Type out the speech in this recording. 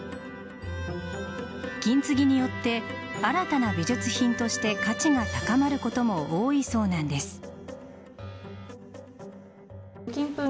金継ぎによって新たな美術品として価値が高まることも多いそうなんです。